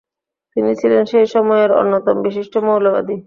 তিনি ছিলেন সেই সময়ের অন্যতম বিশিষ্ট মৌলবাদী।